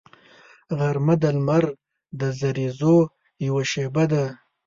غرمه د لمر د زریزو یوه شیبه ده